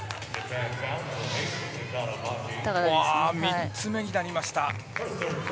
３つ目になりました。